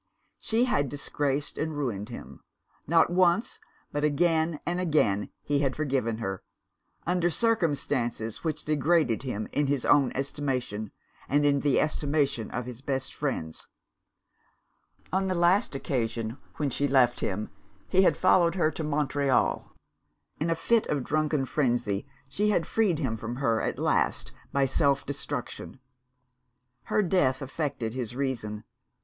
She had disgraced and ruined him. Not once, but again and again he had forgiven her, under circumstances which degraded him in his own estimation, and in the estimation of his best friends. On the last occasion when she left him, he had followed her to Montreal. In a fit of drunken frenzy, she had freed him from her at last by self destruction. Her death affected his reason.